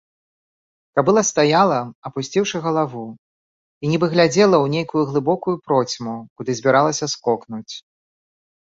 Кабыла стаяла, апусціўшы галаву, і нібы глядзела ў нейкую глыбокую процьму, куды збіралася скокнуць.